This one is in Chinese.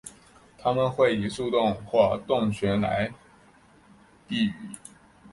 它们会以树孔或洞穴来避雨。